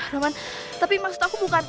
namun tapi maksud aku bukan